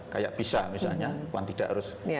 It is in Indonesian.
kayak bisa misalnya puan tidak harus